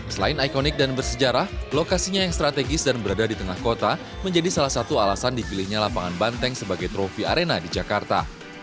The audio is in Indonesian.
selain ikonik dan bersejarah lokasinya yang strategis dan berada di tengah kota menjadi salah satu alasan dipilihnya lapangan banteng sebagai trofi arena di jakarta